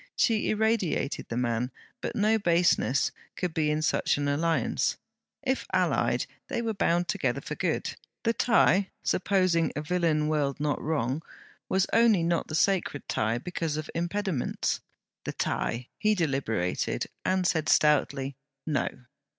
She irradiated the man; but no baseness could be in such an alliance. If allied, they were bound together for good. The tie supposing a villain world not wrong was only not the sacred tie because of impediments. The tie! he deliberated, and said stoutly No.